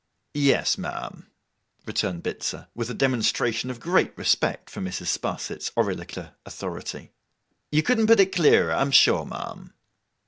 'Yes, ma'am,' returned Bitzer, with a demonstration of great respect for Mrs. Sparsit's oracular authority. 'You couldn't put it clearer, I am sure, ma'am.